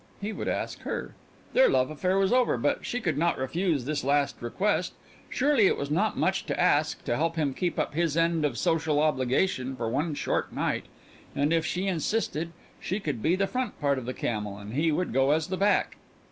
He would ask her. Their love affair was over, but she could not refuse this last request. Surely it was not much to ask to help him keep up his end of social obligation for one short night. And if she insisted, she could be the front part of the camel and he would go as the back.